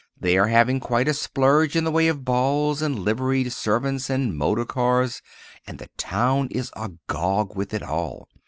They are making quite a splurge in the way of balls and liveried servants, and motor cars, and the town is agog with it all.